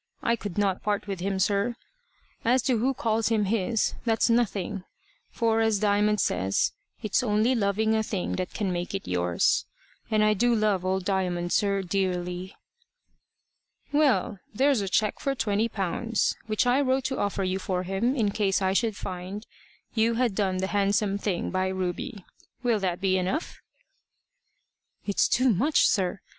I could not part with him, sir. As to who calls him his, that's nothing; for, as Diamond says, it's only loving a thing that can make it yours and I do love old Diamond, sir, dearly." "Well, there's a cheque for twenty pounds, which I wrote to offer you for him, in case I should find you had done the handsome thing by Ruby. Will that be enough?" "It's too much, sir.